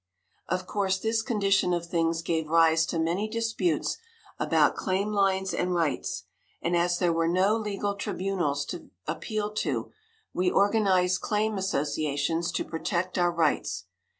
Of course, this condition of things gave rise to many disputes about claim lines and rights, and as there were no legal tribunals to appeal to, we organized claim associations to protect our rights.